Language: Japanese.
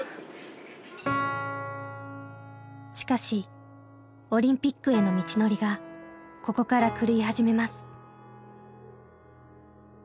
しかしオリンピックへの道のりがここから狂い始めます。